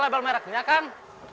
label mereknya kang